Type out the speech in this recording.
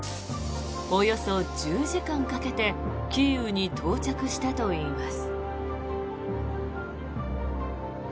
およそ１０時間かけてキーウに到着したといいます。